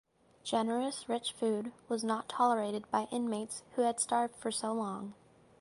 Generous rich food was not tolerated by inmates who had starved for so long.